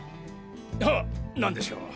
はなんでしょう？